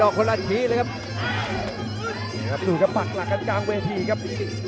ดูกับปากหลักกันกลางเวทีครับ